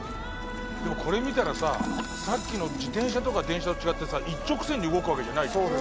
でもこれ見たらささっきの自転車とか電車と違ってさ一直線に動くわけじゃないじゃん